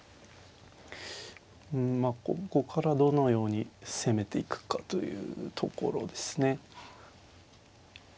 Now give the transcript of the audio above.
うんここからどのように攻めていくかというところですね。